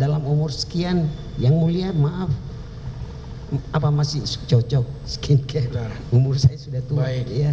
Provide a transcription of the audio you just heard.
dalam umur sekian yang mulia maaf apa masih cocok skincare umur saya sudah tua